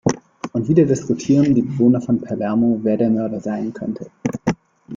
Und wieder diskutieren die Bewohner von Palermo, wer der Mörder sein könnte.